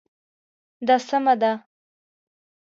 دا سمه ده